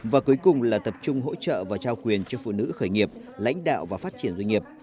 và cuối cùng là tập trung hỗ trợ và trao quyền cho phụ nữ khởi nghiệp lãnh đạo và phát triển doanh nghiệp